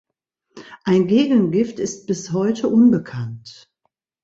Ein Gegengift ist bis heute unbekannt.